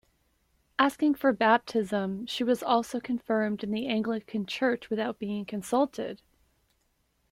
Asking for baptism, she was also confirmed in the Anglican Church without being consulted!